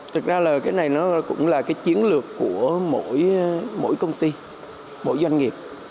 thực ra là cái này nó cũng là cái chiến lược của mỗi công ty mỗi doanh nghiệp